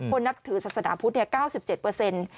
คนนับถือศาสนาพุทธ๙๗